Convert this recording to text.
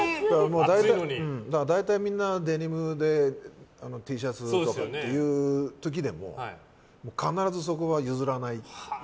だから大体、みんなでデニムでＴシャツっていう時でも必ずそこは譲らない。